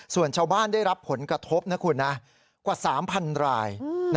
ส่วนเฉาบ้านได้รับผลกระทบนะครับถึงกว่า๓๐๐๐ราย